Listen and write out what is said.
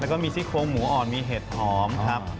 แล้วก็มีซี่โครงหมูอ่อนมีเห็ดหอมครับ